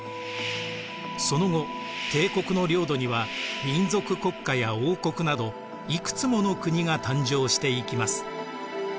その後帝国の領土には民族国家や王国などいくつもの国が誕生していきます。